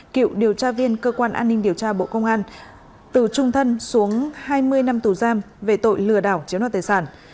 cựu điều tra viên cơ quan an ninh điều tra bộ công an từ trung thân xuống hai mươi năm tù giam về tội lừa đảo chiếu đoạt tài sản